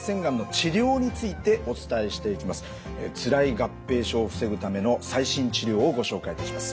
つらい合併症を防ぐための最新治療をご紹介いたします。